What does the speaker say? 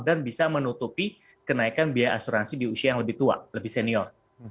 dan bisa menutupi kenaikan biaya asuransi di usia yang lebih tua lebih senior